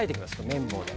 麺棒で。